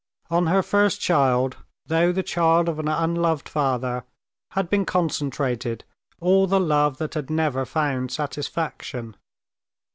On her first child, though the child of an unloved father, had been concentrated all the love that had never found satisfaction.